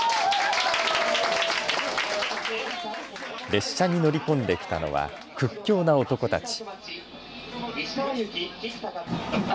列車に乗り込んできたのは屈強な男たち。